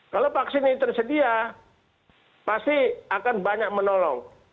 kalau vaksin ini tersedia pasti akan banyak menolong